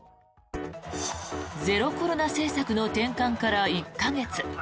ゼロコロナ政策の転換から１か月。